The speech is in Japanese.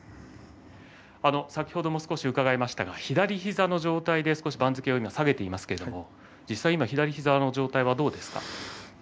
先ほども少し伺いましたが左膝の状態で番付は今少し下げていますが実際に左膝の状態はどうですか？